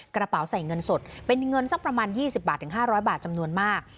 กระเป๋าใส่เงินสดเป็นเงินสักประมาณ๒๐บาทถึง๕๐๐บาทจำนวนมาก